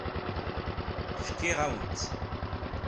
Fkiɣ-awen-tt.